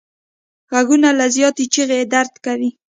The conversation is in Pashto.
غوږونه له زیاتې چیغې درد کوي